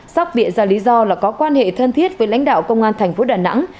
sóc viện ra lý do là có quan hệ thân thiết với lãnh đạo công an tp đà nẵng